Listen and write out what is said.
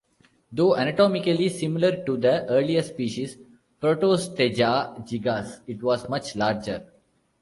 Though anatomically similar to the earlier species "Protostega gigas", it was much larger.